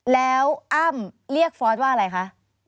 แล้วอ้ำเรียกฟอสว่าอะไรคะ